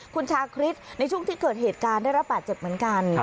คุณชาคริสในช่วงที่เกิดเหตุการณ์ได้รับบาดเจ็บเหมือนกัน